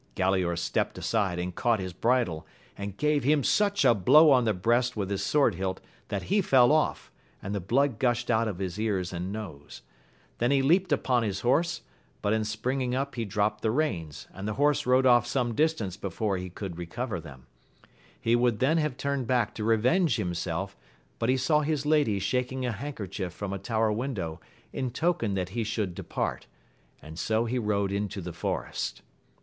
Oalaor stept aside and caught his bridle, and gave him such a blow on the breast with his sword hilt that he fell off, and the blood gushed out of his ears and nose ; then he leapt upon his horse, but in springing up he dropt the reins, and the horse rode off some distance before he could recover them ; he would then have turned back to revenge himself, but he saw his lady shaking a handkerchief from a tower window in token that he should depart, and so he rode into the forest.